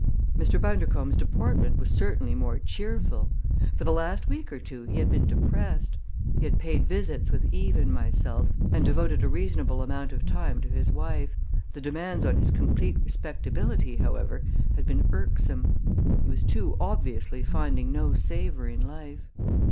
Mr. Bundercombe's deportment was certainly more cheerful. For the last week or two he had been depressed. He had paid visits with Eve and myself, and devoted a reasonable amount of time to his wife. The demands on his complete respectability, however, had been irksome. He was too obviously finding no savor in life.